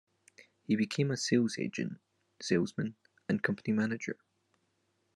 He became a sales agent, salesman and company manager.